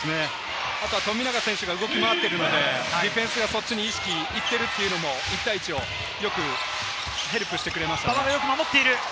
富永選手が動き回っているので、ディフェンスの意識がいっているのも１対１をよくヘルプしてくれました。